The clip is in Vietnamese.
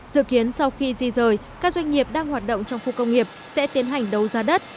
dự kiến sau khi di rời các doanh nghiệp đang hoạt động trong khu công nghiệp sẽ tiến hành đấu giá đất